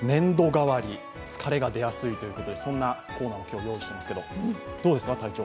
変わり、疲れが出やすいということで、そんなコーナーも今日、用意してますけどどうですか？